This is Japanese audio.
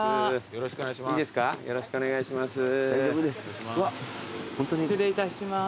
よろしくお願いします。